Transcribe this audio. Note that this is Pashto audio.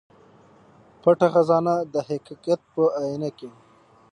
پټه خزانه د حقيقت په اينه کې